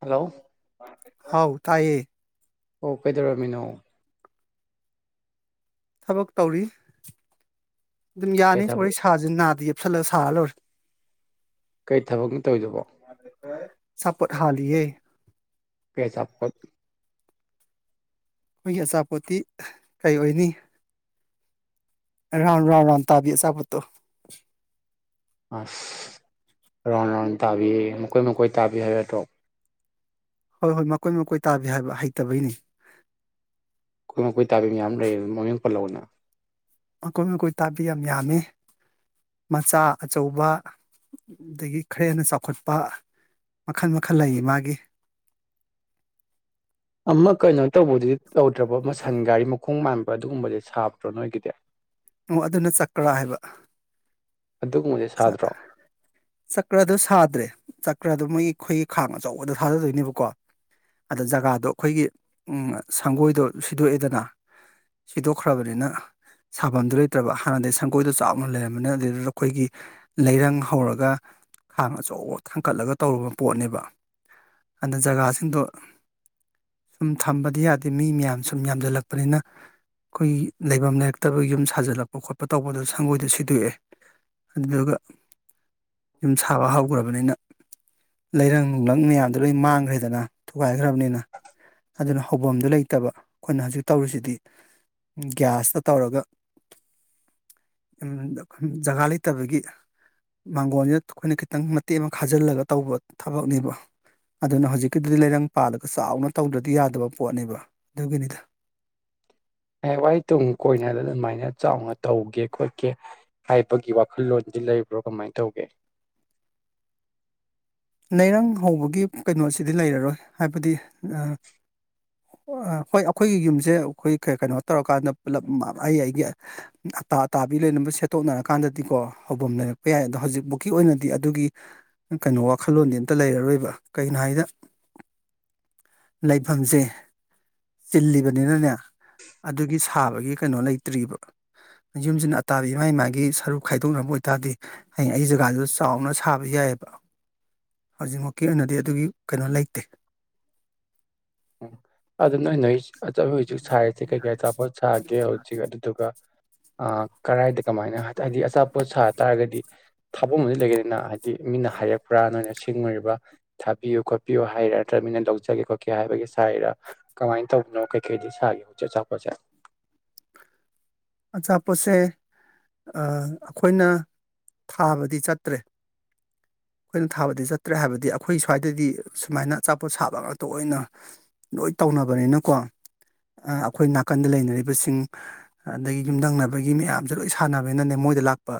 Hello ꯍꯥꯎ ꯇꯥꯏꯌꯦ ꯑꯣ ꯀꯩꯗꯧꯔꯃꯤꯅꯣ ꯊꯕꯛ ꯇꯧꯔꯤ ꯑꯗꯨꯝ ꯀꯩ ꯊꯕꯛ ꯌꯥꯅꯤꯣꯔꯣꯏ ꯁꯥꯁꯤ ꯅꯥꯗ ꯌꯦꯞꯁꯜꯂꯒ ꯁꯥꯔ ꯂꯣꯏꯔꯦ ꯀꯔꯤ ꯊꯕꯛꯅꯣ ꯇꯧꯔꯤꯗꯕꯣ ꯑꯆꯥꯄꯣꯠ ꯍꯥꯜꯂꯤꯌꯦ ꯀꯆꯥꯄꯣꯠ ꯑꯩꯈꯣꯏꯒꯤ ꯑꯆꯥꯄꯣꯠꯇꯤ ꯀꯩ ꯑꯣꯏꯅꯤ ꯔꯥꯎꯟ ꯔꯥꯎ ꯔꯥꯎ ꯇꯥꯕꯤꯁꯕꯠꯇꯣ ꯑꯁ ꯔꯥꯎꯟ ꯔꯥꯎꯟ ꯇꯥꯕꯤꯌꯦ ꯃꯈꯣꯏ ꯃꯈꯀꯣꯏ ꯇꯥꯕꯤ ꯍꯥꯏꯕꯠꯇ꯭ꯔꯣ ꯍꯣꯏ ꯍꯣꯏ ꯃꯈꯀꯣꯏ ꯃꯈꯀꯣꯏ ꯇꯥꯕꯤ ꯍꯥꯏꯕ ꯍꯩꯇꯕꯩꯅꯤ ꯑꯩꯈꯣꯏ ꯃꯈꯣꯏ ꯇꯥꯕꯤ ꯃ ꯌꯥꯝ ꯂꯩꯌꯦ ꯑꯗꯨ ꯃꯃꯤꯡ ꯄꯜꯂꯧꯅ ꯃꯀꯣꯏ ꯃꯀꯣꯏ ꯇꯥꯕꯤ ꯌꯥꯝ ꯌꯥꯝꯃꯤ ꯃꯆꯥ ꯑꯆꯧꯕ ꯑꯗꯒꯤ ꯈꯔ ꯍꯦꯟꯅ ꯆꯥꯎꯈꯠꯄ ꯃꯈꯜ ꯃꯈꯜ ꯂꯩꯌꯦ ꯃꯥꯒꯤ ꯑꯃ ꯀꯩꯅꯣ ꯇꯧꯕꯗꯤ ꯇꯧꯗ꯭ꯔꯕ ꯑꯃ ꯁꯟ ꯒꯥꯔꯤ ꯃꯈꯣꯡ ꯃꯥꯟꯕ ꯑꯗꯨꯒꯨꯝꯕꯗꯤ ꯁꯥꯕ꯭ꯔꯣ ꯅꯣꯏꯒꯤꯗꯤ ꯑꯣ ꯑꯗꯨꯅ ꯆꯀ꯭ꯔꯥ ꯍꯥꯏꯕ ꯑꯗꯨꯒꯨꯝꯕꯁꯦ ꯁꯥꯗ꯭ꯔꯣ ꯆꯀ꯭ꯔꯗꯨꯣ ꯁꯥꯗ꯭ꯔꯦ ꯆꯀ꯭ꯔꯗ ꯃꯣꯏꯒꯤ ꯑꯩꯈꯣꯏꯒꯤ ꯈꯥꯡ ꯑꯆꯧꯕꯗ ꯊꯥꯖꯗꯣꯏꯅꯦꯕꯀꯣ ꯑꯗ ꯖꯒꯥꯗꯣ ꯑꯩꯈꯣꯏꯒꯤ ꯎ ꯁꯪꯒꯣꯏꯗꯣ ꯁꯤꯗꯣꯛꯑꯦꯗꯅ ꯁꯤꯗꯣꯛꯈ꯭ꯔꯕꯅꯤꯅ ꯁꯥꯐꯝꯗꯨ ꯂꯩꯇ꯭ꯔꯕ ꯍꯥꯟꯅꯗꯤ ꯁꯪꯒꯣꯏꯗꯣ ꯆꯥꯎꯅ ꯂꯩꯔꯝꯕꯅꯤ ꯑꯗꯨꯗꯨꯗ ꯑꯩꯈꯣꯏꯒꯤ ꯂꯩꯔꯪ ꯍꯧꯔꯒ ꯈꯥꯡ ꯑꯆꯧꯕ ꯊꯥꯡꯀꯠꯂꯒ ꯇꯧꯔꯨꯕ ꯄꯣꯠꯅꯦꯕ ꯑꯗ ꯖꯒꯥꯁꯤꯡꯗꯣ ꯁꯨꯝ ꯊꯝꯕꯗꯤ ꯌꯥꯗꯦ ꯃꯤ ꯃꯌꯥꯝ ꯁꯨꯝ ꯌꯥꯝꯁꯤꯜꯂꯛꯄꯅꯤꯅ ꯑꯩꯈꯣꯏꯒꯤ ꯂꯩꯐꯝ ꯂꯩꯔꯛꯇꯕ ꯌꯨꯝ ꯁꯥꯖꯜꯂꯛꯄ ꯈꯣꯠꯄ ꯇꯧꯕꯗ ꯁꯪꯒꯣꯏꯗ ꯁꯤꯗꯣꯛꯑꯦ ꯑꯗꯨꯗꯨꯒ ꯌꯨꯝ ꯁꯥꯕ ꯍꯧꯈ꯭ꯔꯕꯅꯤꯅ ꯂꯩꯔꯪ ꯅꯨꯡꯂꯪ ꯃꯌꯥꯝꯗꯨꯣ ꯂꯣꯏ ꯃꯥꯡꯈ꯭ꯔꯦꯗꯅ ꯊꯨꯒꯥꯏꯈ꯭ꯔꯕꯅꯤꯅ ꯑꯗꯨꯅ ꯍꯐꯝꯗꯨ ꯂꯩꯇꯕ ꯑꯩꯈꯣꯏꯅ ꯍꯧꯖꯤꯛ ꯇꯧꯔꯤꯁꯤꯗꯤ ꯒ꯭ꯌꯥꯁꯇ ꯇꯧꯔꯒ ꯖꯒꯥ ꯂꯩꯇ ꯇꯕꯒꯤ ꯃꯥꯡꯒꯣꯟꯁꯤꯅ ꯑꯩꯈꯣꯏꯅ ꯈꯤꯇꯪ ꯃꯇꯦꯛ ꯑꯃ ꯈꯥꯖꯤꯜꯂꯒ ꯇꯧꯕ ꯊꯕꯛꯅꯦꯕ ꯑꯗꯨꯅ ꯍꯧꯖꯤꯛꯀꯤꯗꯨꯗꯤ ꯂꯩꯔꯪ ꯄꯥꯜꯂꯒ ꯆꯥꯎꯅ ꯇꯧꯗ꯭ꯔꯗꯤ ꯌꯥꯗꯕ ꯄꯣꯠꯅꯦꯕ ꯑꯗꯨꯒꯤꯅꯤꯗ ꯍꯌꯦꯡꯋꯥꯍꯏ ꯇꯨꯡ ꯀꯣꯏꯅꯗ ꯑꯗꯨꯃꯥꯏꯅ ꯆꯥꯎꯅ ꯇꯧꯒꯦ ꯈꯣꯠꯀꯦ ꯍꯥꯏꯕꯒꯤ ꯋꯥꯈꯜꯂꯣꯟꯗꯤ ꯂꯩꯕ꯭ꯔꯣ ꯀꯃꯥꯏꯅ ꯇꯧꯒꯦ ꯂꯩꯔꯪ ꯍꯧꯕꯒꯤ ꯀꯩꯅꯣꯁꯤꯗꯤ ꯂꯩꯔꯔꯣꯏ ꯍꯥꯏꯕꯗꯤ ꯍꯣꯏ ꯑꯩꯈꯣꯏꯒꯤ ꯌꯨꯝꯁꯦ ꯑꯩꯈꯣꯏ ꯀꯩꯅꯣ ꯇꯧꯔꯀꯥꯟꯗ ꯄꯨꯂꯞ ꯑꯩ ꯑꯩꯒꯤ ꯑꯇꯥ ꯑꯇꯥꯕꯤ ꯂꯩꯅꯕ ꯁꯦꯠꯇꯣꯛꯅꯔꯀꯥꯟꯗꯗꯤꯀꯣ ꯍꯧꯐꯝ ꯂꯩꯔꯛꯄ ꯌꯥꯏ ꯑꯗꯣ ꯍꯧꯖꯤꯛꯐꯥꯎꯀꯤ ꯑꯣꯏꯅꯗꯤ ꯑꯗꯨꯒꯤ ꯀꯩꯅꯣ ꯋꯥꯈꯜꯂꯣꯟꯗꯤ ꯑꯝꯇ ꯂꯩꯔꯔꯣꯏꯕ ꯀꯩꯒꯤꯅꯣ ꯍꯥꯏꯗ ꯂꯩꯐꯝꯁꯦ ꯆꯤꯜꯂꯤꯕꯅꯤꯅꯅꯦ ꯑꯗꯨꯒꯤ ꯁꯥꯕꯒꯤ ꯀꯩꯅꯣ ꯂꯩꯇ꯭ꯔꯤꯕ ꯌꯨꯝꯁꯤꯅ ꯑꯇꯥꯕꯤ ꯃꯥꯒꯤ ꯃꯥꯒꯤ ꯁꯔꯨꯛ ꯈꯥꯏꯗꯣꯛꯅꯕ ꯑꯣꯏꯇꯥꯔꯗꯤ ꯍꯌꯦꯡ ꯑꯩ ꯖꯒꯥꯗꯨꯗ ꯆꯥꯎꯅ ꯁꯥꯕ ꯌꯥꯏꯕ ꯍꯧꯖꯤꯛꯃꯛꯀꯤ ꯑꯣꯏꯅꯗꯤ ꯑꯗꯨꯒꯤ ꯀꯩꯅꯣ ꯂꯩꯇꯦ ꯎꯝ ꯑꯗꯨ ꯅꯣꯏ ꯅꯣꯏ ꯑꯆꯥꯄꯣꯠ ꯍꯧꯖꯤꯛ ꯁꯥꯔꯤꯁꯦ ꯀꯩꯀꯩ ꯑꯆꯥꯄꯣꯠ ꯁꯥꯒꯦ ꯍꯧꯖꯤꯛ ꯑꯗꯨꯗꯨꯒ ꯑ ꯀꯔꯥꯏꯗ ꯀꯃꯥꯏꯅ ꯍꯥꯏꯗꯤ ꯑꯆꯥꯄꯣꯠ ꯁꯥꯇꯥꯥꯔꯒꯗꯤ ꯊꯥꯕꯝ ꯑꯃꯗꯤ ꯂꯩꯒꯅꯤꯅ ꯍꯥꯏꯗꯤ ꯃꯤꯅ ꯍꯥꯏꯔꯛꯄ꯭ꯔꯥ ꯅꯣꯏꯅ ꯁꯤꯡꯉꯨꯔꯤꯕ꯭ꯔꯥ ꯊꯥꯕꯤꯌꯨ ꯈꯣꯠꯄꯤꯌꯨ ꯍꯥꯏꯔꯤꯔ ꯅꯠꯇ꯭ꯔꯒ ꯃꯤꯅ ꯂꯧꯖꯒꯦ ꯈꯣꯠꯀꯦ ꯍꯥꯏꯕꯒꯤ ꯁꯥꯏꯔ ꯀꯃꯥꯏꯅ ꯇꯧꯕꯅꯣ ꯀꯩꯀꯩꯗꯤ ꯁꯥꯒꯦ ꯁꯤ‌ ꯑꯆꯥꯄꯣꯠꯁꯦ ꯑꯆꯥꯄꯣꯠꯁꯦ ꯑꯩꯈꯣꯏꯅ ꯊꯥꯕꯗꯤ ꯆꯠꯇ꯭ꯔꯦ ꯑꯩꯈꯣꯏꯅ ꯊꯥꯕꯗꯤ ꯆꯠꯇ꯭ꯔꯦ ꯍꯥꯏꯕꯗꯤ ꯑꯩꯈꯣꯏ ꯁ꯭ꯋꯥꯏꯗꯗꯤ ꯁꯨꯃꯥꯏꯅ ꯑꯆꯥꯄꯣꯠ ꯁꯥꯕ ꯉꯥꯛꯇ ꯑꯣꯏꯅ ꯂꯣꯏ ꯇꯧꯅꯕꯅꯤꯅꯀꯣ ꯑꯩꯈꯣꯏ ꯅꯥꯀꯟꯗ ꯂꯩꯅꯔꯤꯕꯁꯤꯡ ꯑꯗꯒꯤ ꯌꯨꯝꯊꯪꯅꯕꯒꯤ ꯃꯌꯥꯝꯁꯦ ꯂꯣꯏ ꯁꯥꯟꯅꯕꯅꯤꯅꯅꯦ ꯃꯣꯏꯗ ꯂꯥꯛꯄ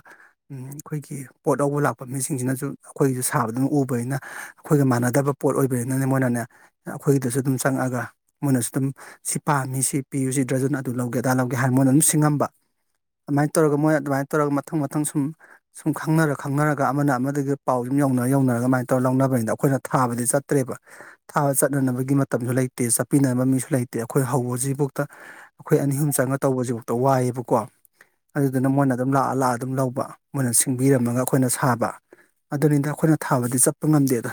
ꯑꯩꯈꯣꯏꯒꯤ ꯄꯣꯠ ꯂꯧꯕ ꯂꯥꯛꯄ ꯃꯤꯁꯤꯡꯁꯤꯅꯁꯨ ꯑꯩꯈꯣꯏꯒꯤꯁꯨ ꯁꯥꯕꯗꯨꯅ ꯎꯕꯅꯤꯅ ꯑꯩꯈꯣꯏꯒ ꯃꯥꯟꯅꯗꯕ ꯄꯣꯠ ꯑꯣꯏꯕꯅꯤꯅꯅꯦ ꯃꯣꯏꯅꯅꯦ ꯑꯩꯈꯣꯏꯒꯤꯗꯁꯨ ꯑꯗꯨꯝ ꯆꯪꯉꯛꯑꯒ ꯃꯣꯏꯅꯁꯨ ꯑꯗꯨꯝ ꯁꯤ ꯄꯥꯝꯃꯤ ꯁꯤ ꯄꯤꯌꯨ ꯁꯤ ꯗ꯭ꯔꯖꯟ ꯑꯗꯨ ꯂꯧꯒꯦ ꯑꯗꯥ ꯂꯧꯒꯦ ꯍꯥꯏ ꯃꯣꯏꯅ ꯑꯗꯨꯝ ꯁꯤꯡꯉꯝꯕ ꯑꯗꯨꯃꯥꯏꯅ ꯇꯧꯔꯒ ꯃꯣꯏ ꯑꯗꯨꯃꯥꯏꯅ ꯇꯧꯔꯒ ꯃꯊꯪ ꯃꯊꯪ ꯁꯨꯝ ꯁꯨꯝ ꯈꯪꯅꯔ ꯈꯪꯅꯔꯒ ꯑꯃꯅ ꯑꯃꯗꯒꯤ ꯄꯥꯎ ꯁꯨꯝ ꯌꯧꯅꯔ ꯌꯧꯅꯔꯒ ꯀꯃꯥꯏꯅ ꯇꯧꯔ ꯂꯧꯅꯕꯅꯤꯅ ꯑꯩꯈꯣꯏꯅ ꯊꯥꯕꯗꯤ ꯆꯠꯇ꯭ꯔꯦꯕ ꯊꯥꯕ ꯆꯠꯅꯅꯕꯒꯤ ꯃꯇꯝꯁꯨ ꯂꯩꯇꯦ ꯆꯠꯄꯤꯅꯅꯕ ꯃꯤꯁꯨ ꯂꯩꯇꯦ ꯑꯩꯈꯣꯏ ꯍꯧꯕꯁꯤꯕꯣꯛꯇ ꯑꯩꯈꯣꯏ ꯑꯅꯤ ꯑꯍꯨꯝ ꯆꯪꯉ ꯇꯧꯕꯁꯤꯐꯥꯎ ꯋꯥꯏꯌꯦꯕꯀꯣ ꯑꯗꯨꯗꯨꯅ ꯃꯣꯏꯅ ꯑꯗꯨꯝ ꯂꯥꯛꯑ ꯂꯥꯛꯑ ꯑꯗꯨꯝ ꯂꯧꯕ ꯃꯣꯏꯅ ꯁꯤꯡꯕꯤꯔꯝꯃꯒ ꯑꯩꯈꯣꯏꯅ ꯁꯥꯕ ꯑꯗꯨꯅꯤꯗ ꯑꯩꯈꯣꯏꯅ ꯊꯥꯕꯗꯤ ꯆꯠꯄ ꯉꯝꯗꯦꯗ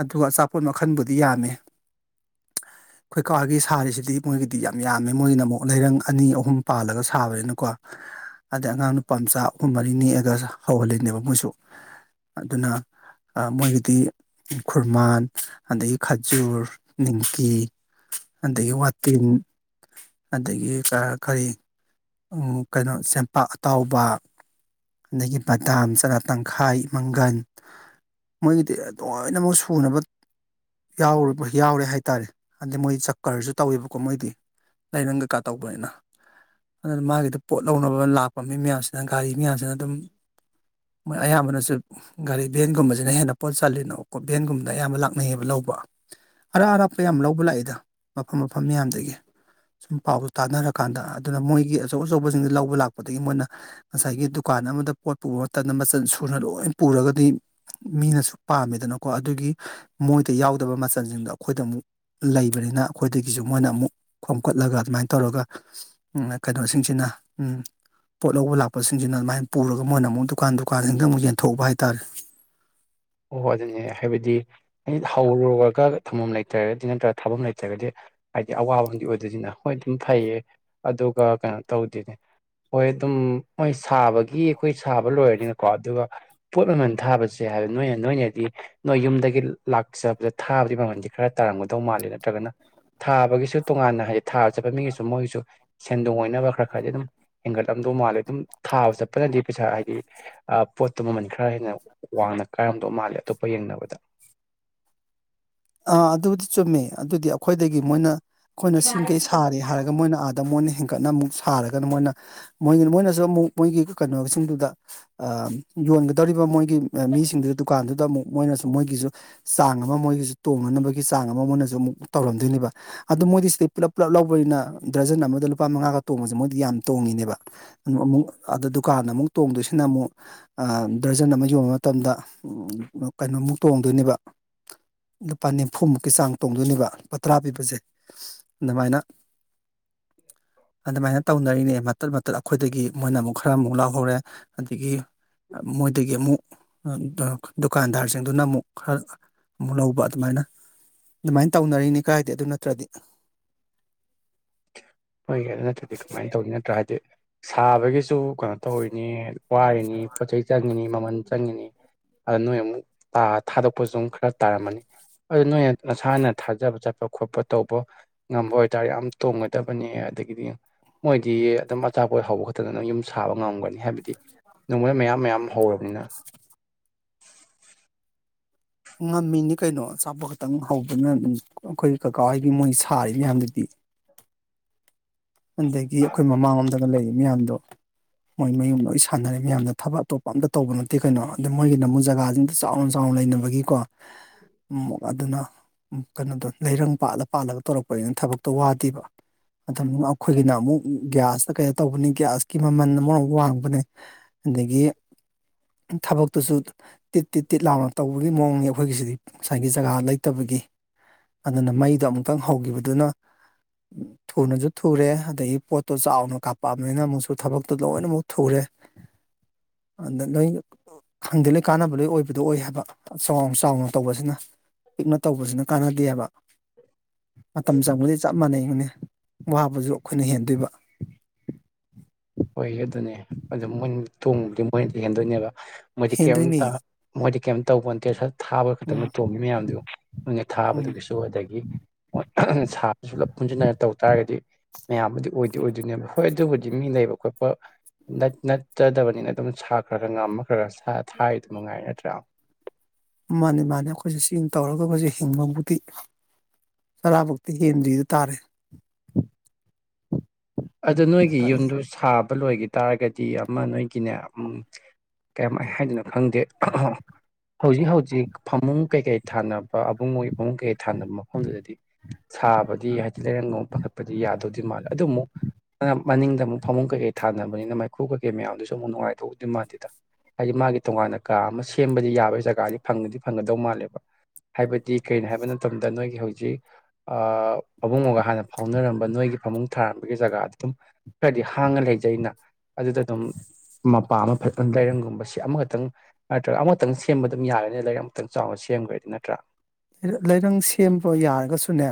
ꯑꯗꯨꯒ ꯑꯆꯥꯄꯣꯠ ꯃꯈꯟꯕꯨꯗꯤ ꯌꯥꯝꯃꯦ ꯑꯩꯈꯣꯏ ꯀꯥꯍꯣꯏꯒꯤ ꯁꯥꯔꯤꯁꯤꯗꯤ ꯃꯣꯏꯒꯤꯗꯤ ꯌꯥꯝ ꯌꯥꯝꯃꯤ ꯃꯣꯏꯒꯤꯅ ꯑꯃꯨꯛ ꯂꯩꯔꯪ ꯑꯅꯤ ꯑꯍꯨꯝ ꯄꯥꯜꯂꯒ ꯁꯥꯕꯅꯤꯅꯀꯣ ꯑꯗꯩ ꯑꯉꯥꯡ ꯅꯨꯄꯥ ꯃꯆꯥ ꯑꯍꯨꯝ ꯃꯔꯤ ꯅꯦꯛꯑꯒ ꯍꯧꯍꯜꯂꯤꯅꯦꯕ ꯃꯣꯏꯁꯨ ꯑꯗꯨꯅ ꯃꯣꯏꯒꯤꯗꯤ ꯈꯨꯨꯔꯃꯥꯟ ꯑꯗꯒꯤ ꯈꯖꯨꯔ ꯅꯤꯡꯀꯤ ꯑꯗꯒꯤ ꯋꯥꯇꯤꯟ ꯑꯗꯒꯤ ꯀꯔꯤ ꯀꯩꯅꯣ ꯆꯦꯡꯄꯥꯛ ꯑꯇꯥꯎꯕ ꯑꯗꯒꯤ ꯕꯗꯥꯝ ꯆꯅꯥ ꯇꯪꯈꯥꯏ ꯃꯪꯒꯜ ꯃꯣꯏꯒꯤꯗꯤ ꯑꯗꯨꯃꯥꯏꯅꯃꯛ ꯁꯨꯅꯕ ꯌꯥꯎ ꯌꯥꯎꯔꯦ ꯍꯥꯏꯇꯥꯔꯦ ꯑꯗꯗꯤ ꯃꯣꯏ ꯆꯛꯀꯔꯁꯨ ꯇꯧꯋꯦꯕꯀꯣ ꯃꯣꯏꯗꯤ ꯂꯥꯏꯔꯪꯒ ꯀꯩꯀ ꯇꯧꯕꯅꯤꯅ ꯑꯗꯨꯅ ꯃꯥꯒꯤꯗꯨ ꯄꯣꯠ ꯂꯧꯅꯕ ꯂꯥꯛꯄ ꯃꯤ ꯃꯌꯥꯝꯁꯤꯅ ꯒꯥꯔꯤ ꯃꯌꯥꯝꯁꯤꯅ ꯑꯗꯨꯝ ꯃꯣꯏ ꯑꯌꯥꯝꯕꯅꯁꯨ ꯒꯥꯔꯤ ꯚꯦꯟꯒꯨꯝꯕꯁꯤꯅ ꯍꯦꯟꯅ ꯄꯣꯠ ꯆꯜꯂꯦꯅꯀꯣ ꯚꯦꯟꯒꯨꯝꯗ ꯑꯌꯥꯝꯕ ꯂꯥꯛꯅꯩꯌꯦꯕ ꯂꯧꯕ ꯑꯔꯥꯞ ꯑꯔꯥꯞꯄ ꯌꯥꯝ ꯂꯧꯕ ꯂꯥꯛꯏꯗ ꯃꯐꯝ ꯃꯐꯝ ꯃꯌꯥꯝꯗꯒꯤ ꯁꯨꯝ ꯄꯥꯎ ꯇꯥꯟꯅꯔꯀꯥꯟꯗ ꯑꯗꯨꯅ ꯃꯣꯏꯒꯤ ꯑꯆꯧ ꯑꯆꯧꯕꯁꯤꯡꯁꯦ ꯂꯧꯕ ꯂꯥꯛꯄꯗꯒꯤ ꯃꯣꯏꯅ ꯉꯁꯥꯏꯒꯤ ꯗꯨꯀꯥꯟ ꯑꯃꯗ ꯄꯣꯠ ꯄꯨꯕ ꯃꯇꯝꯗ ꯃꯆꯜ ꯁꯨꯅ ꯂꯣꯏ ꯄꯨꯔꯒꯗꯤ ꯃꯤꯅꯁꯨ ꯄꯥꯝꯃꯦꯗꯅꯀꯣ ꯑꯗꯨꯒꯤ ꯃꯣꯏꯗ ꯌꯥꯎꯗꯕ ꯃꯆꯜꯁꯤꯡꯗꯣ ꯑꯩꯈꯣꯏꯗ ꯑꯃꯨꯛ ꯂꯩꯕꯅꯤꯅ ꯑꯩꯈꯣꯏꯗꯒꯤꯁꯨ ꯃꯣꯏꯅ ꯑꯃꯨꯛ ꯈꯣꯝꯀꯠꯂꯒ ꯑꯗꯨꯃꯥꯏꯅ ꯇꯧꯔꯒ ꯀꯩꯅꯣꯁꯤꯡꯁꯤꯅ ꯄꯣꯠ ꯂꯧꯕ ꯂꯥꯛꯄꯁꯤꯡꯁꯤꯅ ꯑꯗꯨꯃꯥꯏꯅ ꯄꯨꯔꯒ ꯃꯣꯏꯅ ꯑꯃꯨꯛ ꯗꯨꯀꯥꯟ ꯗꯨꯀꯥꯟꯁꯤꯡꯁꯤꯗ ꯑꯃꯨꯛ ꯌꯦꯟꯊꯣꯛꯎ ꯍꯥꯏꯇꯥꯔꯦ ꯑꯣ ꯑꯗꯨꯅꯦ ꯍꯥꯏꯕꯗꯤ ꯑꯩ ꯍꯧꯔꯨꯔꯒ ꯊꯝꯐꯝ ꯂꯩꯇꯔꯒꯗꯤ ꯅꯠꯇ꯭ꯔꯒ ꯊꯥꯐꯝ ꯂꯩꯇ꯭ꯔꯒꯗꯤ ꯍꯥꯏꯗꯤ ꯑꯋꯥꯕꯗꯤ ꯑꯣꯏꯗꯣꯏꯅꯤꯅ ꯍꯣꯏ ꯑꯗꯨꯝ ꯐꯩꯌꯦ ꯑꯗꯨꯒ ꯀꯩꯅꯣ ꯇꯧꯗꯣꯏꯅꯦ ꯍꯣꯏ ꯑꯗꯨꯝ ꯃꯣꯏ ꯁꯥꯕꯒꯤ ꯑꯩꯈꯣꯏ ꯁꯥꯕ ꯂꯣꯏꯔꯅꯤꯅꯀꯣ ꯑꯗꯨꯒ ꯄꯣꯠ ꯃꯃꯜ ꯊꯥꯕꯁꯦ ꯍꯥꯏꯕ ꯅꯣꯏꯅ ꯅꯣꯏꯅꯗꯤ ꯅꯣꯏ ꯌꯨꯝꯗꯒꯤ ꯂꯥꯛꯆꯕꯗ ꯊꯥꯕꯗꯤ ꯃꯃꯟꯗꯤ ꯈꯔ ꯇꯥꯔꯝꯒꯗꯧ ꯃꯥꯜꯂꯦ ꯅꯠꯇ꯭ꯔꯒꯅ ꯊꯥꯕꯒꯤꯁꯨ ꯇꯣꯉꯥꯟꯅ ꯍꯥꯏ ꯊꯥ ꯆꯠꯄ ꯃꯤꯒꯤꯁꯨ ꯃꯣꯏꯒꯤꯁꯨ ꯁꯦꯟꯗꯣꯡ ꯑꯣꯏꯅꯕ ꯈꯔ ꯈꯔꯗꯤ ꯑꯗꯨꯝ ꯍꯦꯟꯒꯠꯂꯝꯗꯧ ꯃꯥꯜꯂꯦ ꯑꯗꯨꯝ ꯊꯥꯕ ꯆꯠꯄꯅꯗꯤ ꯄꯩꯁꯥ ꯍꯥꯏꯗꯤ ꯑ ꯄꯣꯠꯇꯣ ꯃꯃꯜ ꯈꯔ ꯍꯦꯟꯅ ꯋꯥꯡꯅ ꯀꯥꯏꯔꯝꯗꯧ ꯃꯥꯜꯂꯦ ꯑꯇꯣꯞꯄ ꯌꯦꯡꯅꯕꯗ ꯑ ꯑꯗꯨꯕꯨꯗꯤ ꯆꯨꯝꯃꯦ ꯑꯗꯨꯗꯤ ꯑꯈꯣꯏꯗꯒꯤ ꯃꯣꯏꯅ ꯑꯈꯣꯏꯅ ꯁꯤꯡꯀꯩ ꯁꯥꯔꯦ ꯍꯥꯏꯔꯒ ꯃꯣꯏꯅ ꯑ ꯗ ꯃꯣꯏꯅ ꯍꯦꯟꯒꯠꯅ ꯑꯃꯨꯛ ꯁꯥꯔꯒꯅ ꯃꯣꯏꯅ ꯃꯣꯏ ꯃꯣꯏꯅꯁꯨ ꯑꯃꯨꯛ ꯃꯣꯏꯒꯤ ꯀꯩꯅꯣꯁꯤꯡꯗꯨꯗ ꯑ ꯌꯣꯟꯒꯗꯧꯔꯤꯕ ꯃꯣꯏꯒꯤ ꯑ ꯃꯤꯁꯤꯡꯗꯨ ꯗꯨꯀꯥꯟꯗꯨꯗ ꯑꯃꯨꯛ ꯃꯣꯏꯅꯁꯨ ꯃꯣꯏꯒꯤꯁꯨ ꯆꯥꯡ ꯑꯃ ꯃꯣꯏꯒꯤꯖꯨ ꯇꯣꯡꯅꯅꯕꯒꯤ ꯆꯥꯡ ꯑꯃ ꯃꯣꯏꯅꯖꯨ ꯑꯃꯨꯛ ꯇꯧꯔꯝꯗꯣꯏꯅꯦꯕ ꯑꯗꯨ ꯃꯣꯏꯗꯤ ꯁꯤꯗꯩ ꯄꯨꯂꯞ ꯄꯨꯂꯞ ꯂꯧꯕꯅꯤꯅ ꯗꯔꯖꯟ ꯑꯃꯗ ꯂꯨꯄꯥ ꯃꯉꯥꯒ ꯇꯣꯡꯕꯁꯦ ꯃꯣꯏꯗꯤ ꯌꯥꯝ ꯇꯣꯡꯉꯤꯅꯦꯕ꯫ ꯑꯃꯨꯛ ꯑꯃꯨꯛ ꯑꯗꯨ ꯗꯨꯀꯥꯟꯗ ꯑꯃꯨꯛ ꯇꯣꯡꯗꯣꯏꯁꯤꯅ ꯑꯃꯨꯛ ꯑ ꯗꯔꯖꯟ ꯑꯃ ꯌꯣꯟꯕ ꯃꯇꯝꯗ ꯀꯩꯅꯣꯃꯨꯛ ꯇꯣꯡꯗꯨꯏꯅꯦꯕ ꯂꯨꯄꯥ ꯅꯤꯐꯨꯃꯨꯛꯀꯤ ꯆꯥꯡ ꯇꯣꯡꯗꯣꯏꯅꯦꯕ ꯂꯨꯄꯥ ꯇꯔꯥ ꯄꯤꯕꯁꯦ ꯑꯗꯨꯃꯥꯏꯅ ꯑꯗꯨꯃꯥꯏꯅ ꯇꯧꯅꯔꯤꯅꯦꯕ ꯃꯇꯠ ꯃꯇꯠ ꯑꯈꯣꯏꯗꯒꯤ ꯃꯣꯏꯅ ꯑꯃꯨꯛ ꯈꯔ ꯑꯃꯨꯛ ꯂꯧꯍꯧꯔꯦ ꯑꯗꯒꯤ ꯃꯣꯏꯗꯒꯤ ꯑꯃꯨꯛ ꯑ ꯗꯨꯀꯥꯟꯗꯥꯔꯁꯤꯡꯗꯨꯅ ꯑꯃꯨꯛ ꯈꯔ ꯑꯃꯨꯛ ꯂꯧ ꯕ ꯑꯗꯨꯃꯥꯏꯅ ꯑꯗꯨꯃꯥꯏꯅ ꯇꯧꯅꯔꯤꯅꯤ ꯀꯥꯏꯗꯩ ꯑꯗꯨ ꯅꯠꯇ꯭ꯔꯗꯤ ꯍꯣꯏꯒꯤ ꯑꯗꯨ ꯅꯠꯇ꯭ꯔꯗꯤ ꯀꯃꯥꯏꯅ ꯇꯧꯅꯤ ꯅꯠꯇ꯭ꯔꯥ ꯍꯥꯏꯗꯤ ꯁꯥꯕꯒꯤꯁꯨ ꯀꯩꯅꯣ ꯇꯧꯔꯤꯅꯤ ꯋꯥꯔꯤꯅꯤ ꯄꯣꯠꯆꯩ ꯆꯪꯉꯤꯅꯤ ꯃꯃꯜ ꯆꯪꯉꯤꯅꯤ ꯑꯗ ꯅꯣꯏ ꯑꯃꯨꯛ ꯇꯥ ꯊꯥꯗꯣꯛꯄꯁꯨ ꯑꯃꯨꯛ ꯈꯔ ꯇꯥꯔꯝꯃꯅꯤ ꯑꯗꯨ ꯅꯣꯏꯅ ꯅꯁꯥꯅ ꯊꯥꯖꯕ ꯆꯠꯄ ꯈꯣꯠꯄ ꯇꯧꯕ ꯉꯝꯕ ꯑꯣꯏꯇꯥꯔ ꯌꯥꯝ ꯇꯣꯡꯒꯗꯕꯅꯦ ꯑꯗꯒꯤꯗꯤ ꯃꯣꯏꯗꯤ ꯑꯗꯨꯝ ꯑꯆꯥꯄꯣꯠ ꯍꯧꯕ ꯈꯛꯇꯗ ꯑꯗꯨ ꯌꯨꯝ ꯁꯥꯕ ꯉꯝꯒꯅꯤ ꯍꯥꯏꯕꯗꯤ ꯅꯣꯡꯃꯗ ꯃꯌꯥꯝ ꯃꯌꯥꯝ ꯍꯧꯔꯕꯅꯤꯅ ꯉꯝꯃꯤꯅꯤ ꯀꯩꯅꯣ ꯑꯆꯥꯄꯣꯠ ꯈꯛꯇꯪ ꯍꯧꯕꯅ ꯑꯗꯨꯝ ꯑꯈꯣꯏꯒꯤ ꯀꯀꯥ ꯍꯣꯢꯒꯤ ꯃꯣꯏ ꯁꯥꯔꯤ ꯃꯌꯝꯗꯨꯗꯤ ꯑꯗꯒꯤ ꯑꯈꯣꯏ ꯃꯃꯥꯡ ꯂꯣꯝꯗꯒ ꯂꯩꯔꯤ ꯃꯌꯥꯝꯗꯣ꯫ ꯃꯣꯏ ꯃꯌꯨꯝ ꯂꯣꯏ ꯁꯥꯟꯅꯔꯦ ꯃꯌꯥꯝꯗꯣ ꯊꯕꯛ ꯑꯇꯣꯞꯄ ꯑꯝꯇ ꯇꯧꯕ ꯅꯠꯇꯦ ꯀꯩꯅꯣ ꯑꯗ ꯃꯣꯏꯒꯤꯅ ꯑꯃꯨ ꯖꯒꯥꯖꯤꯡꯗꯣ ꯆꯥꯎꯅ ꯆꯥꯎꯅ ꯂꯩꯅꯕꯒꯤꯀꯣ ꯎꯝ ꯑꯗꯨꯅ ꯀꯩꯅꯣꯗꯣ ꯂꯩꯔꯪ ꯄꯥꯜꯂ ꯄꯥꯜꯂꯒ ꯇꯧꯔꯛꯄꯅꯤꯅ ꯊꯕꯛꯇꯣ ꯋꯥꯗꯦꯕ ꯃꯇꯝꯗꯣ ꯑꯈꯣꯏꯒꯤꯅ ꯑꯃꯨꯛ ꯒ꯭ꯌꯥꯁꯇ ꯀꯩ ꯇꯧꯕꯅꯤ ꯒꯌꯥꯁꯀꯤ ꯃꯃꯜꯅ ꯃꯔꯣꯝ ꯋꯥꯡꯕꯅꯦ ꯑꯗꯒꯤ ꯊꯕꯛꯇꯨꯁꯨ ꯇꯤꯠ ꯇꯤꯠ ꯇꯤꯠ ꯂꯥꯞꯅ ꯇꯧꯕꯒꯤ ꯃꯑꯣꯡꯅꯤ ꯑꯈꯣꯏꯒꯤꯁꯤꯗꯤ ꯉꯁꯥꯏꯒꯤ ꯖꯒꯥ ꯂꯩꯇꯕꯒꯤ ꯑꯗꯨꯅ ꯃꯩꯗ ꯑꯃꯨꯛꯇꯪ ꯍꯧꯒꯤꯕꯗꯨꯅ ꯊꯨꯅꯖꯨ ꯊꯨꯔꯦ ꯑꯗꯒꯤ ꯄꯣꯠꯇꯣ ꯆꯥꯎꯅ ꯀꯥꯞꯄꯛꯑꯕꯅꯤꯅ ꯑꯃꯨꯛꯁꯨ ꯊꯕꯛꯇꯣ ꯂꯣꯏꯅ ꯑꯃꯨꯛ ꯊꯨꯔꯦ ꯑꯗ ꯅꯣꯏ ꯈꯪꯗꯦ ꯂꯣꯏ ꯀꯥꯟꯅꯕ ꯂꯣꯏ ꯑꯣꯏꯕꯗꯣ ꯑꯣꯏ ꯍꯥꯏꯕ ꯆꯥꯎꯅ ꯆꯥꯎꯅ ꯇꯧꯕꯁꯤꯅ ꯄꯤꯛꯅ ꯇꯧꯕꯁꯤꯅ ꯀꯥꯟꯅꯗꯦꯕ ꯃꯇꯝ ꯆꯪꯕꯗꯤ ꯆꯞ ꯃꯥꯟꯅꯩꯅꯦ ꯋꯥꯕꯖꯨ ꯑꯈꯣꯏꯅ ꯍꯦꯟꯗꯣꯏꯕ ꯍꯣꯏ ꯑꯗꯨꯅꯦ ꯑꯗꯨ ꯃꯣꯏ ꯊꯣꯡꯕꯗꯤ ꯃꯣꯏꯅꯗꯤ ꯍꯦꯟꯗꯣꯏꯅꯦꯕ ꯃꯣꯏꯗꯤ ꯀꯩꯝꯇ ꯍꯦꯟꯗꯣꯏꯅꯤ ꯃꯣꯏꯗꯤ ꯀꯩꯝ ꯇꯧꯕꯣꯟꯇꯦ ꯁ ꯊꯥꯕ ꯈꯛꯇꯪ ꯎꯝ ꯇꯣꯡꯉꯤ ꯃꯌꯥꯝꯗꯨ ꯅꯣꯏꯅ ꯎꯝ ꯊꯥꯕꯗꯨꯒꯤꯁꯨ ꯑꯗꯒꯤ ꯍꯣꯏ ꯁꯥꯕꯁꯨ ꯂꯣꯢ ꯄꯨꯟꯖꯟꯅꯔ ꯇꯧ ꯇꯥꯔꯒꯗꯤ ꯃꯌꯥꯝꯕꯨꯗꯤ ꯑꯣꯏꯗꯤ ꯑꯣꯏꯗꯣꯏꯅꯦꯕ ꯍꯣꯏ ꯑꯗꯨꯕꯨꯗꯤ ꯃꯤ ꯂꯩꯕ ꯈꯣꯠꯄ ꯅꯠ ꯅꯠꯇꯗꯕꯅꯤꯅ ꯑꯗꯨꯝ ꯁꯥꯈ꯭ꯔꯒ ꯉꯝꯃ ꯈꯔ ꯁꯥ ꯊꯥꯏꯗꯨ ꯃꯉꯥꯏ ꯅꯠꯇ꯭ꯔꯥ꯫ ꯃꯥꯅꯦ ꯃꯥꯅꯦ ꯑꯈꯣꯏꯖꯨ ꯁꯤꯝ ꯇꯧꯔꯒ ꯑꯈꯣꯏꯖꯨ ꯍꯤꯡꯕꯕꯨꯗꯤ ꯇꯔꯥꯕꯧꯇꯤ ꯍꯦꯟꯗ꯭ꯔꯤꯗꯨ ꯇꯥꯔꯦ꯫ ꯑꯗꯨ ꯅꯣꯏꯒꯤ ꯀꯔꯤ ꯌꯨꯝꯗꯨ ꯁꯥꯕ ꯂꯣꯏꯒꯤ ꯇꯥꯔꯒꯗꯤ ꯑꯃ ꯅꯣꯏꯒꯤꯅꯦ ꯎꯝ ꯀꯌꯝꯃꯥꯏ ꯍꯥꯏꯗꯨꯅꯣ ꯈꯪꯗꯦ [unintelligible] ꯍꯧꯖꯤꯛ ꯍꯧꯖꯤꯛ ꯐꯃꯨꯡ ꯀꯩꯀꯩ ꯊꯥꯅꯕ ꯑꯕꯨꯡꯉꯣꯏꯒꯤ ꯐꯃꯨꯡ ꯀꯩ ꯊꯥꯅꯕ ꯃꯐꯝꯗꯨꯗꯗꯤ ꯁꯥꯕꯗꯤ ꯍꯥꯏꯗꯤ ꯂꯩꯔꯪꯒꯣꯝ ꯄꯥꯈꯠꯄꯗꯤ ꯌꯥꯗꯧꯗꯤ ꯃꯥꯜꯂꯦ ꯑꯗꯨꯃꯨꯛ ꯃꯅꯤꯡꯗ ꯑꯃꯨꯛ ꯐꯃꯨꯡ ꯀꯩꯀꯩ ꯊꯥꯅꯕꯅꯤꯅ ꯃꯩꯈꯨ ꯀꯩꯀꯩ ꯃꯌꯥꯝꯗꯨꯁꯨ ꯑꯃꯨꯛ ꯅꯨꯡꯉꯥꯏꯗꯧꯗꯤ ꯃꯥꯟꯗꯦꯗ꯫ ꯍꯥꯏꯗꯤ ꯃꯥꯒꯤ ꯇꯣꯉꯥꯟꯅ ꯀꯥ ꯑꯃ ꯁꯦꯝꯕꯗꯤ ꯌꯥꯕꯒꯤ ꯖꯒꯥꯗꯤ ꯐꯪꯉꯗꯤ ꯐꯪꯒꯗꯧ ꯃꯥꯜꯂꯦꯕ꯫ ꯍꯥꯏꯕꯗꯤ ꯀꯔꯤꯅꯣ ꯍꯥꯏꯕ ꯃꯇꯝꯗ ꯅꯣꯏꯒꯤ ꯍꯧꯖꯤꯛ ꯑ ꯑꯕꯨꯡꯉꯣꯒ ꯍꯥꯟꯅ ꯐꯥꯎꯅꯔꯝꯕ ꯅꯣꯏꯒꯤ ꯐꯃꯨꯡ ꯊꯥꯔꯝ ꯕꯒꯤ ꯖꯒꯥ ꯑꯗꯨꯝ ꯈꯔꯗꯤ ꯍꯥꯡꯉ ꯂꯩꯖꯩꯅ ꯑꯗꯨꯗ ꯑꯗꯨꯝ ꯃꯄꯥ ꯑꯃ ꯐꯖ ꯂꯥꯏꯔꯪꯒꯨꯝꯕꯕꯁꯤ ꯑꯃꯈꯛꯇꯪ ꯅꯠꯇ꯭ꯔꯒ ꯑꯃꯛꯇꯪ ꯁꯦꯝꯕ ꯑꯗꯨꯝ ꯌꯥꯔꯅꯤꯅ ꯂꯥꯏꯔꯤꯛ ꯑꯃꯛꯇꯪ ꯆꯥꯎꯅ ꯁꯦꯝꯈ꯭ꯔꯗꯤ ꯅꯠꯇ꯭ꯔꯥ ꯂꯩ ꯂꯩꯔꯪ ꯁꯦꯝꯕ ꯌꯥꯔꯒꯁꯨꯅꯦ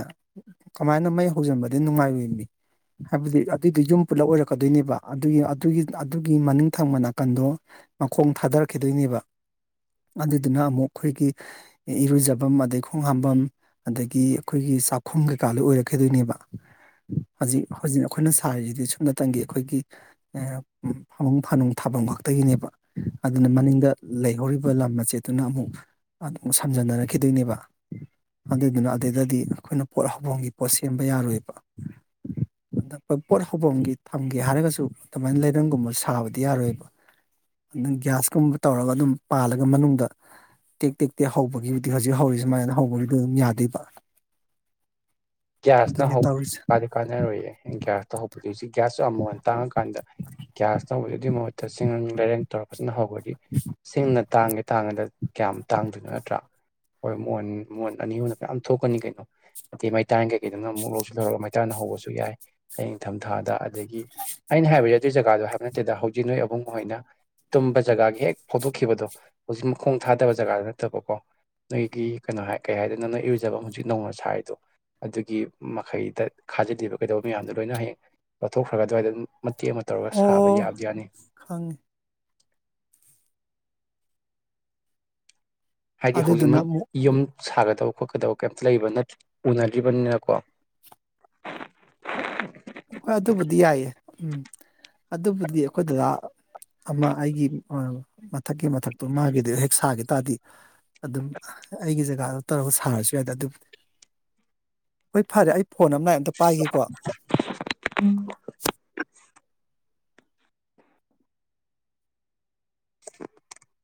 ꯀꯃꯥꯏꯅ ꯃꯩ ꯍꯧꯖꯤꯟꯕꯗꯤ ꯅꯨꯡꯉꯥꯏꯔꯣꯢꯃꯤ ꯍꯥꯏꯕꯗꯤ ꯑꯗꯨꯏꯗꯤ ꯌꯨꯝ ꯄꯨꯜꯂꯞ ꯑꯣꯏꯔꯛꯀꯗꯣꯏꯅꯦꯕ ꯑꯗꯨꯒꯤ ꯑꯗꯨꯒꯤ ꯑꯗꯨꯒꯤ ꯃꯅꯤꯡ ꯊꯪꯕ ꯅꯥꯀꯟꯗꯣ ꯃꯈꯣꯡ ꯊꯥꯗꯔꯛꯈꯤꯗꯣꯏꯅꯦꯕ ꯑꯗꯨꯗꯨꯅ ꯑꯃꯨꯛ ꯑꯩꯈꯣꯏꯒꯤ ꯏꯔꯣꯏꯖ ꯕꯝ ꯑꯗꯩ ꯈꯣꯡ ꯍꯥꯝꯕꯝ ꯑꯗꯒꯤ ꯑꯩꯈꯣꯏꯒꯤ ꯆꯥꯛꯈꯨꯝ ꯀꯩꯀꯥ ꯂꯣꯏ ꯑꯣꯏꯔꯛꯈꯤꯗꯣꯏꯅꯦꯕ ꯍꯧꯖꯤꯛ ꯍꯧꯖꯤꯛ ꯑꯩꯈꯣꯏꯅ ꯁꯥꯔꯤꯁꯤꯗꯤ ꯁꯨꯞꯅꯇꯪꯒꯤ ꯑꯩꯈꯣꯏꯒꯤ ꯐꯃꯨꯡ ꯐꯥꯅꯨꯡ ꯊꯥꯐꯝ ꯈꯛꯇꯒꯤꯅꯦꯕ ꯑꯗꯨꯅ ꯃꯅꯤꯡꯗ ꯂꯩꯍꯧꯔꯤꯕ ꯂꯝ ꯃꯆꯦꯠꯇꯨꯅ ꯑꯃꯨꯛ ꯑꯗꯨꯝ ꯁꯝꯖꯟꯅꯔꯛ ꯈꯤꯗꯣꯏꯅꯦꯕ ꯑꯗꯨꯗꯨꯅ ꯑꯗꯨꯗꯗꯤ ꯑꯩꯈꯣꯏꯅ ꯄꯣꯠ ꯍꯧꯕꯝꯒꯤ ꯄꯣꯠ ꯁꯦꯝꯕ ꯌꯥꯔꯣꯏꯕ ꯑ ꯄꯣꯠ ꯍꯧꯐꯝꯒꯤ ꯊꯝꯒꯦ ꯍꯥꯏꯔꯒꯁꯨ ꯑꯗꯨꯃꯥꯏꯅ ꯂꯩꯔꯪꯒꯨꯝꯕ ꯁꯥꯕꯗꯤ ꯌꯥꯔꯣꯏꯕ ꯑꯗꯨ ꯒ꯭ꯌꯥꯁꯀꯨꯝꯕ ꯇꯧꯔꯒ ꯑꯗꯨꯝ ꯄꯥꯜꯂꯒ ꯃꯅꯨꯡꯗ ꯇꯦꯛ ꯇꯦꯛ ꯇꯦꯛ ꯍꯧꯕꯒꯤ ꯍꯧꯖꯤꯛ ꯍꯧꯔꯤꯖꯦ ꯁꯨꯃꯥꯏꯅ ꯍꯧꯕꯒꯤꯗꯤ ꯑꯗꯨꯝ ꯌꯥꯗꯨꯢꯕ ꯒꯤꯌꯥꯁꯅ ꯑꯗꯨꯅꯤ ꯍꯧꯕ ꯇꯧꯔꯤꯁꯦ ꯀꯥꯗꯤ ꯀꯥꯟꯅꯔꯨꯌꯦ ꯒꯤꯌꯥꯁꯇ ꯍꯧꯕꯗꯨ ꯍꯧꯖꯤꯛ ꯒꯤ꯭ꯌꯥꯁ ꯌꯝ ꯃꯃꯜ ꯇꯥꯡꯉꯀꯥꯟꯗ ꯒ꯭ꯌꯥꯁꯇ ꯍꯧꯕꯗꯤ ꯑꯗꯨꯢ ꯃꯍꯨꯠꯇ ꯁꯤꯡ ꯂꯩꯔꯪ ꯇꯧꯔ ꯐꯖꯅ ꯍꯧꯕꯗꯤ ꯁꯤꯡꯅ ꯇꯥꯡꯒꯦ ꯇꯥꯡꯉꯗ ꯀꯌꯥꯝ ꯇꯥꯡꯗꯣꯏꯅꯣ ꯅꯠꯇ꯭ꯔꯥ ꯍꯣꯏ ꯃꯣꯟ ꯃꯣꯟ ꯑꯅꯤ ꯑꯍꯨꯝꯅ ꯐꯩꯅꯥꯝ ꯊꯣꯛꯀꯅꯤ ꯀꯩꯅꯣ [unintelligible] ꯇꯥꯏꯟ ꯀꯩꯀꯩꯗꯨꯅ ꯑꯃꯨꯛ ꯂꯧꯁꯤꯜ ꯂꯧꯔꯒ ꯃꯩꯇꯥꯟꯅ ꯍꯧꯕꯁꯨ ꯌꯥꯏ ꯍꯌꯦꯡ ꯢꯟꯊꯝꯊꯥꯗ ꯑꯗꯒꯤ ꯑꯩꯅ ꯍꯥꯏꯕꯗꯤ ꯑꯗꯨꯏ ꯖꯒꯥꯗꯣ ꯍꯥꯏꯕ ꯅꯠꯇꯦꯗ ꯍꯧꯖꯤꯛ ꯅꯣꯏ ꯑꯕꯨꯡꯉꯣ ꯍꯣꯏꯅ ꯇꯨꯝꯕ ꯖꯒꯥꯒꯤ ꯍꯦꯛ ꯐꯥꯎꯗꯣꯛꯈꯤꯕꯗꯣ ꯍꯧꯖꯤꯛ ꯃꯈꯣꯡ ꯊꯥꯗꯕ ꯖꯒꯥꯗ ꯅꯠꯇꯕꯀꯣ ꯅꯣꯏꯒꯤ ꯀꯩꯅꯣ ꯍꯥꯏ ꯀꯩ ꯍꯥꯏꯗꯣꯢꯅꯣ ꯅꯣꯏ ꯏꯔꯨꯖꯕꯝ ꯍꯧꯖꯤꯛ ꯅꯧꯅ ꯁꯥꯔꯤꯗꯣ ꯑꯗꯨꯒꯤ ꯃꯈꯩꯗ ꯈꯥꯖꯤꯜꯂꯤꯕ ꯀꯩꯗꯧꯕ ꯃꯌꯥꯝꯗꯣ ꯂꯣꯏꯅ ꯍꯌꯦꯡ ꯂꯧꯊꯣꯛꯈ꯭ꯔꯒ ꯑꯗꯨꯋꯥꯏꯗꯝ ꯃꯇꯦꯛ ꯑꯃ ꯇꯧꯔꯒ ꯁꯥꯕ ꯑꯣ ꯌꯥꯕꯗꯤ ꯌꯥꯅꯤ ꯈꯪꯉꯦ ꯍꯥꯏꯗꯤ ꯑꯗꯨꯗꯨꯅ ꯍꯧꯖꯤꯛꯃꯛ ꯑꯃꯨꯛ ꯌꯨꯝ ꯁꯥꯒꯗꯕ ꯈꯣꯠꯀꯗꯕ ꯀꯩꯝꯇ ꯂꯩꯕ ꯅꯠꯇ꯭ꯔꯤ ꯎꯅꯗ꯭ꯔꯤꯕꯅꯤꯅꯀꯣ ꯍꯣꯏ ꯑꯗꯨꯕꯨꯗꯤ ꯌꯥꯏꯌꯦ ꯎꯝ ꯑꯗꯨꯕꯨꯗꯤ ꯑꯩꯈꯣꯏꯗꯥꯗꯥ ꯑꯃ ꯑꯩꯒꯤ ꯑ ꯃꯊꯛꯀꯤ ꯃꯊꯛꯇꯣ ꯃꯥꯒꯤꯗꯤ ꯍꯦꯛ ꯁꯥꯈꯤ ꯇꯥꯔꯗꯤ ꯑꯗꯨꯝ ꯑꯩꯒꯤ ꯖꯒꯥꯗ ꯇꯧꯔꯒ ꯁꯥꯔꯁꯨ ꯌꯥꯏꯗ ꯑꯗꯨꯝ ꯍꯣꯏ ꯐꯔꯦ ꯑꯩ ꯐꯣꯟ ꯑꯃ ꯂꯛꯑꯦ ꯑꯝꯇ ꯄꯥꯏꯒꯦꯀꯣ꯫ [inaudible] [inaudible]